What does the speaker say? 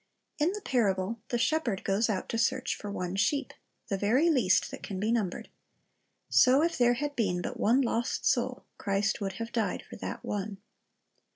"^ In the parable the shepherd goes out to search for one sheep, — the ver)' least that can be numbered. So if there had been but one lost soul, Christ would have died for that one.